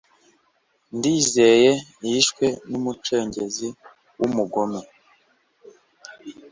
ndizeye yishwe numucengezi w’umugome